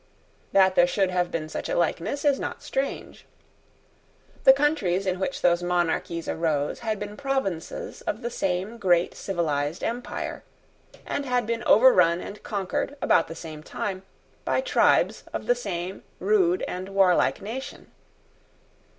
That there should have been such a likeness is not strange The countries in which those monarchies arose had been provinces of the same great civilised empire, and had been overrun and conquered, about the same time, by tribes of the same rude and warlike nation.